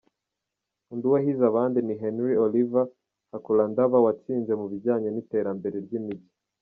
Undi wahize abandi ni Henry Oliver Hakulandaba watsinze mu bijyanye n’iterambere ry’imijyi.